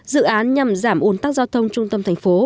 dự án nhằm giảm ồn tắc giao thông trung tâm thành phố